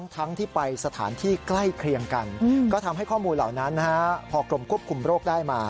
ทั้งที่ไปสถานที่ใกล้เคียงกันก็ทำให้ข้อมูลเหล่านั้นพอกรมควบคุมโรคได้มา